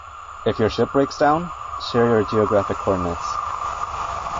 If your ship breaks down, share your geographic coordinates.